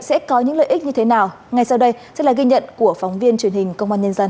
sẽ có những lợi ích như thế nào